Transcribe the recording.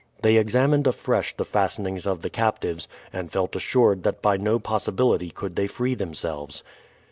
They examined afresh the fastenings of the captives, and felt assured that by no possibility could they free themselves.